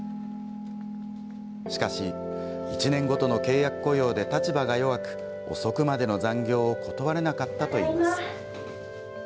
しかし１年ごとの契約雇用で立場が弱く遅くまでの残業を断れなかったといいます。